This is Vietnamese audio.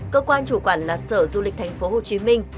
cơ quan chủ quản là sở du lịch thành phố hồ chí minh